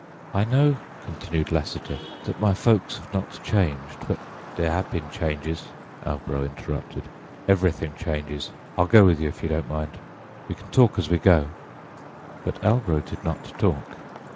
"I know," continued Lassiter, "that my folks have not changed, but—" "There have been changes," Albro interrupted—"everything changes. I'll go with you if you don't mind. We can talk as we go." But Albro did not talk.